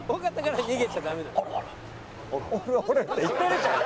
「“おるおる”って言ってるじゃん！」